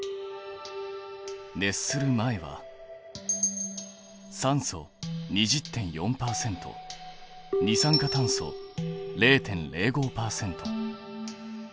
熱する前は酸素２０．４％二酸化炭素０．０５％。